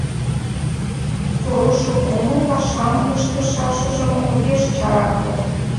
Волышо кумыл пашам ыштышашыжым огеш чаракле.